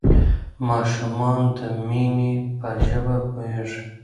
ماشومان د مینې په ژبه پوهیږي.